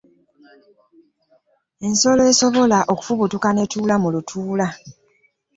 Ensolo esobola okufubuttuka n'etuula mu lutuula.